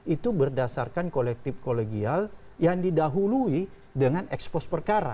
itu berdasarkan kolektif kolegial yang didahului dengan ekspos perkara